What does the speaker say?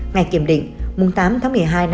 ngày kiểm định tám một mươi hai hai nghìn hai mươi một